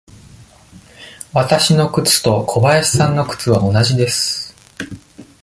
わたしの靴と小林さんの靴は同じです。